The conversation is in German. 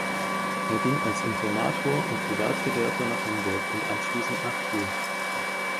Er ging als Informator und Privatgelehrter nach Hamburg und anschließend nach Kiel.